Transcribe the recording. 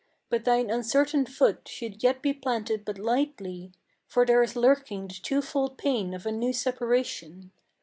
But thine uncertain foot should yet be planted but lightly, For there is lurking the twofold pain of a new separation.